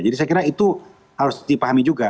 jadi saya kira itu harus dipahami juga